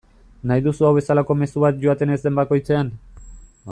Nahi duzu hau bezalako mezu bat joaten ez den bakoitzean.